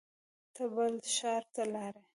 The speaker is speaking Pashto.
ته بل ښار ته لاړې